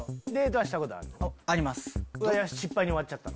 それは失敗に終わっちゃった？